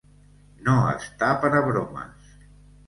No estar per a bromes.